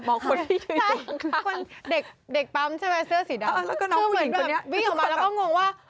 มองคนที่ใช่คนเด็กเด็กปั๊มใช่ไหมเสื้อสีดำแล้วก็น้องผู้หญิงคนนี้วิ่งออกมาแล้วก็งงว่า